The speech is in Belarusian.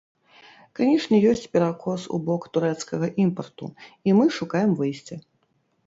Канечне, ёсць перакос у бок турэцкага імпарту, і мы шукаем выйсце.